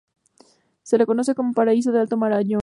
Se le conoce como: "Paraíso del Alto Marañón".